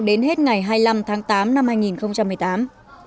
đến hết ngày hai mươi năm tháng tám năm hai nghìn một mươi tám